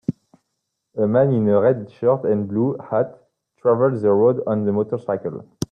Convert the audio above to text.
A man in a red shirt and blue hat travels the road on a motorcycle